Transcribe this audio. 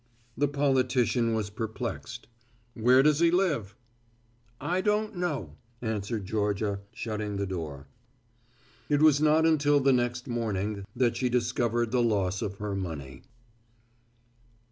"] The politician was perplexed. "Where does he live?" "I don't know," answered Georgia, shutting the door. It was not until the next morning that she discovered the loss of her money.